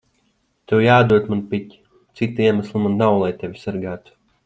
Tev jāatdod man piķi. Cita iemesla man nav, lai tevi sargātu.